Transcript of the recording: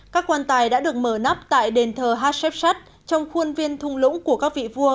các quan tài đã được mở nắp tại đền thờ hacep sut trong khuôn viên thung lũng của các vị vua